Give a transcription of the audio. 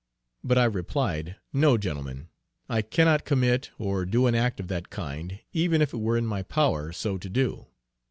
But I replied, "No, gentlemen, I cannot commit or do an act of that kind, even if it were in my power so to do.